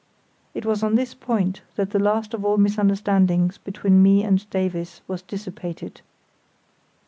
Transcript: It was on this point that the last of all misunderstandings between me and Davies was dissipated.